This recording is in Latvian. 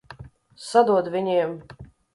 Sadod viņiem!